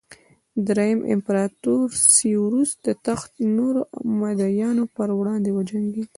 درېیم امپراتور سېوروس د تخت نورو مدعیانو پر وړاندې وجنګېد